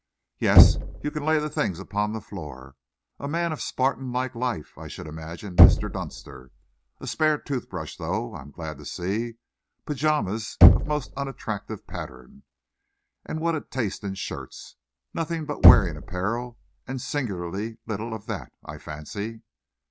Yes, you can lay the things upon the floor. A man of Spartan like life, I should imagine Mr. Dunster. A spare toothbrush, though, I am glad to see. Pyjamas of most unattractive pattern. And what a taste in shirts! Nothing but wearing apparel and singularly little of that, I fancy."